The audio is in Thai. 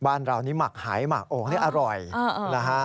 บ้านเรานี่หมักหายหมักโอ่งนี่อร่อยนะฮะ